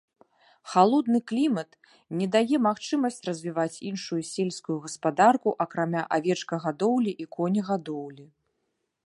Халодны клімат не дае магчымасць развіваць іншую сельскую гаспадарку, акрамя авечкагадоўлі і конегадоўлі.